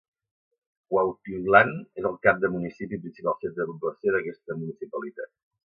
Cuautitlán és el cap de municipi i principal centre de població d'aquesta municipalitat.